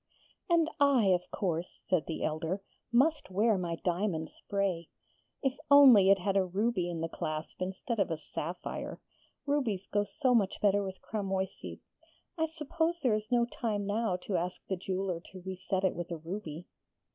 'And I, of course,' said the elder, 'must wear my diamond spray. If only it had a ruby in the clasp instead of a sapphire! Rubies go so much better with cramoisie.... I suppose there is no time now to ask the jeweller to re set it with a ruby.'